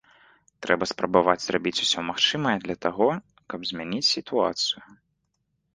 Трэба спрабаваць зрабіць усё магчымае для таго, каб змяніць сітуацыю.